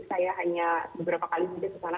saya hanya beberapa kali saja kesana